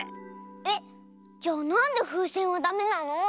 えっじゃあなんでふうせんはダメなの？